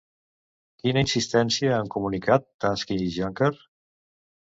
Quina insistència han comunicat Tusk i Juncker?